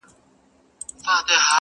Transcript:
چي وژلي یې بېځایه انسانان وه-